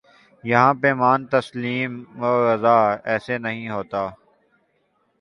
یہاں پیمان تسلیم و رضا ایسے نہیں ہوتا